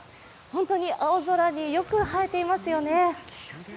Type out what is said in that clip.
本当に青空によく映えていますよね。